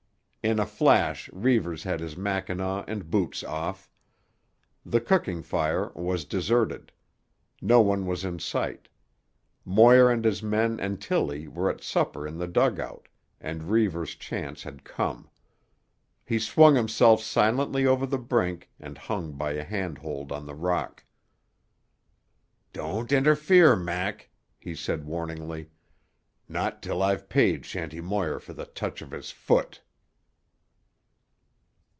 In a flash Reivers had his mackinaw and boots off. The cooking fire was deserted. No one was in sight. Moir and his men and Tillie were at supper in the dugout, and Reivers's chance had come. He swung himself silently over the brink and hung by a handhold on the rock. "Don't interfere, Mac," he said warningly. "Not till I've paid Shanty Moir for the touch of his foot."